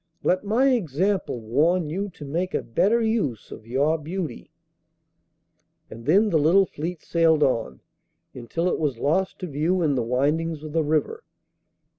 Let my example warn you to make a better use of your beauty!' And then the little fleet sailed on, until it was lost to view in the windings of the river.